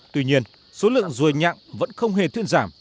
tuy nhiên số lượng rùi nhạc vẫn không hề thiên giảm